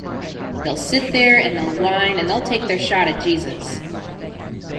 They'll sit there and they'll whine and they'll take their shot at Jesus.